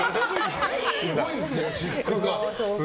すごいんですよ、私服が。